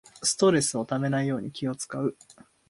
ストレスためないように気をつかう